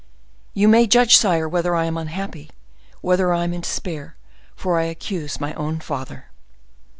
You may judge, sire, whether I am unhappy, whether I am in despair, for I accuse my own father!"